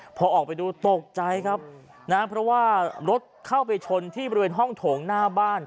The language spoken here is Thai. พอออกไปดูตกใจครับนะฮะเพราะว่ารถเข้าไปชนที่บริเวณห้องโถงหน้าบ้าน